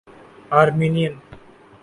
آرمینیائی